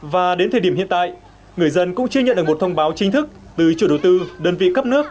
và đến thời điểm hiện tại người dân cũng chưa nhận được một thông báo chính thức từ chủ đầu tư đơn vị cấp nước